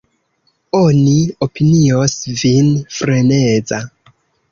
Oni opinios vin freneza.